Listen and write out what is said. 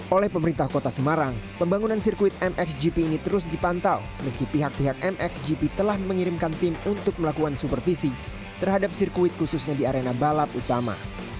oleh pemerintah kota semarang pembangunan sirkuit mxgp ini terus dipantau meski pihak pihak mxgp telah mengirimkan tim untuk melakukan supervisi terhadap sirkuit khususnya di arena balap utama